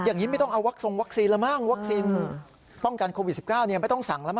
อย่างนี้ไม่ต้องเอาวัคซีนป้องกันโควิด๑๙ไม่ต้องสั่งแล้ว